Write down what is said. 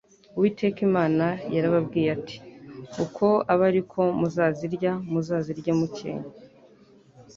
Uwiteka Imana yarababwiye ati: «Uku abe ariko muzazirya, muzazirye mukenycye,